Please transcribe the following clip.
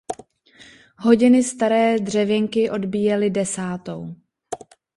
Hodiny, staré dřevěnky, odbíjely desátou.